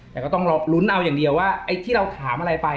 แต่ก็ต้องลุ้นเอาอย่างเดียวว่าไอ้ที่เราถามอะไรไป